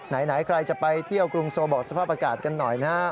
ไหนใครจะไปเที่ยวกรุงโซบอกสภาพอากาศกันหน่อยนะครับ